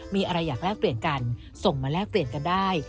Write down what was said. มีอะไรอยากแลกเปลี่ยนกันส่งมาแลกเปลี่ยนกันได้